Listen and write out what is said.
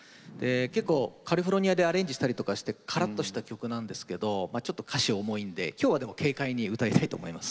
結構カリフォルニアでアレンジしたりとかしてからっとした曲なんですけどちょっと歌詞重いので今日はでも軽快に歌いたいと思います。